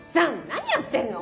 何やってんの？